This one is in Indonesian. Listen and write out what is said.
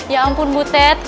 ya ampun butet